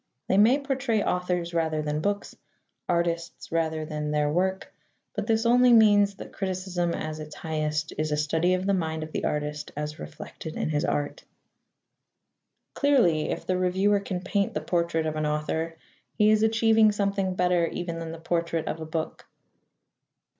They may portray authors rather than books, artists rather than their work, but this only means that criticism at its highest is a study of the mind of the artist as reflected in his art. Clearly, if the reviewer can paint the portrait of an author, he is achieving something better even than the portrait of a book.